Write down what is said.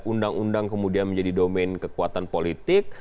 undang undang kemudian menjadi domain kekuatan politik